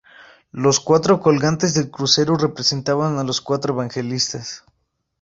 Los cuatro colgantes del crucero representaban a los cuatro evangelistas.